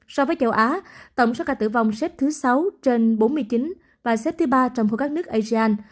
so với châu á tổng số ca tử vong xếp thứ sáu trên bốn mươi chín và xếp thứ ba trong khu các nước asean